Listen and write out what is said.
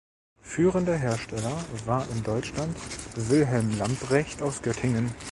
Führender Hersteller war in Deutschland Wilhelm Lambrecht aus Göttingen.